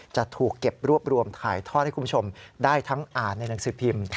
จะถูกเก็บรวบรวมถ่ายทอดให้คุณผู้ชมได้ทั้งอ่านในหนังสือพิมพ์